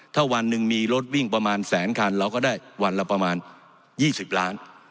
ถ้าวันหนึ่งมีรถวิ่งประมาณแสนคันเราก็ได้วันละประมาณ๒๐ล้าน